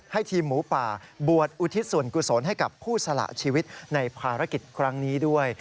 ทีมหมูป่าบวชอุทิศส่วนกุศลให้กับผู้สละชีวิตในภารกิจครั้งนี้ด้วย